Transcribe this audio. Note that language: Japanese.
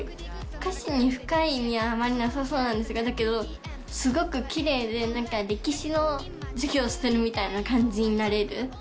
歌詞に深い意味はあまりなさそうなんですが、だけどすごくきれいで、なんか、歴史の授業してるみたいな感じになれる。